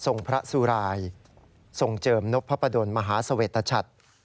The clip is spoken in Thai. ทรงพระสุรายทรงเจิมนพพะดนตร์มหาเสวตชัตต์